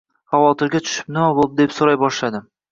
Xavotirga tushib, nima bo`ldi, deb so`ray boshladim